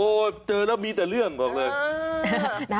โอ้โหเจอแล้วมีแต่เรื่องบอกเลย